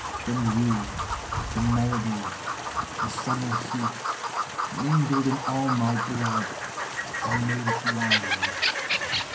Then you, the melody, the summer heat, Mingled in all my blood and made it wine.